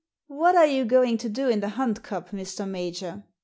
"What are you going to do in the Hunt Cup, Mr. Major?"